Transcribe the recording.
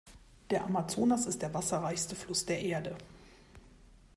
Der Amazonas ist der wasserreichste Fluss der Erde.